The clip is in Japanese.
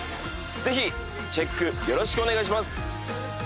ぜひチェックよろしくお願いします